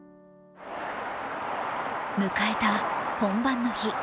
迎えた本番の日。